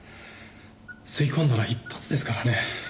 吸い込んだら一発ですからね。